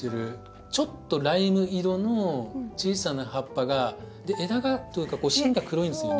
ちょっとライム色の小さな葉っぱがで枝がというか芯が黒いんですよね。